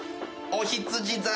おひつじ座。